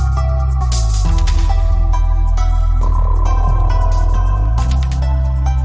โปรดติดตามต่อไป